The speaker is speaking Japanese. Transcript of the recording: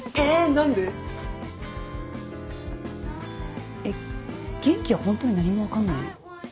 何で⁉えっ元気はホントに何も分かんないの？